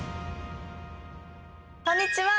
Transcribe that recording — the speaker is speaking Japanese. こんにちは。